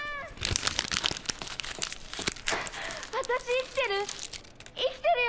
私生きてる？